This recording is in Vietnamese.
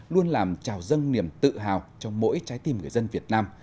luôn làm trào dâng niềm tự hào cho mỗi trái tim người dân việt nam